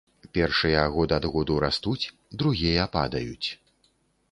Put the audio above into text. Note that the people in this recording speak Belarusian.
Першыя год ад году растуць, другія падаюць.